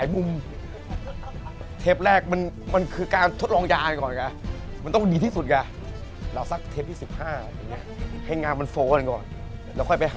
จะถ่ายกันนานเดี๋ยวก็กองไปพร้อม